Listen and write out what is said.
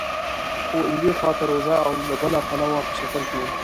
خو یوې خوا ته روژه او له بله پلوه په سفر کې وم.